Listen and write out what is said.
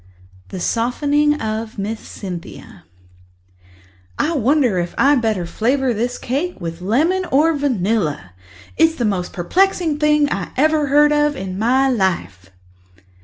The Softening of Miss CynthiaToC "I wonder if I'd better flavour this cake with lemon or vanilla. It's the most perplexing thing I ever heard of in my life."